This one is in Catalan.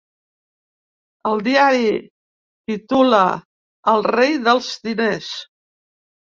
El diari titula ‘el rei dels diners’.